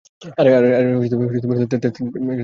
আরে তেমন কিছু না।